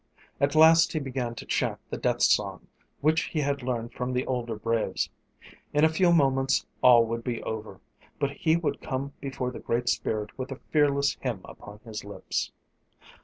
At last he began to chant the death song, which he had learned from the older braves. In a few moments all would be over. But he would come before the Great Spirit with a fearless hymn upon his lips.